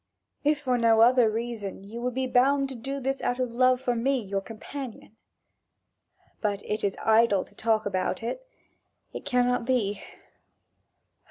If for no other reason, you would be bound to do this out of love for me, your companion. But it is idle to talk about it it cannot be.